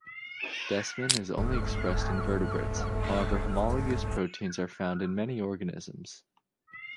Desmin is only expressed in vertebrates, however homologous proteins are found in many organisms.